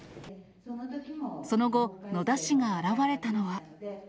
その後、野田氏が現れたのは。